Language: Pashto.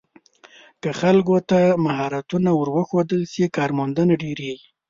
که خلکو ته مهارتونه ور وښودل شي، کارموندنه ډېریږي.